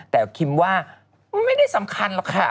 แต่คิมว่าไม่ได้สำคัญหรอกค่ะ